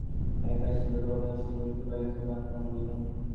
সহজ অবস্থায় এরূপ স্থানে এ-সময় এক আসিবার কল্পনাই সে করিতে পারিত না কোনদিনও।